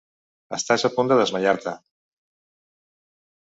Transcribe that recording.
Estàs a punt de desmaiar-te.